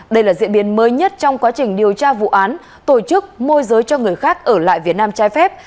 đây là diễn biến mới nhất trong quá trình điều tra vụ án tổ chức môi giới cho người khác ở lại việt nam trái phép